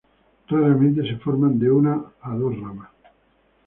Raramente se forman de una a dos ramas.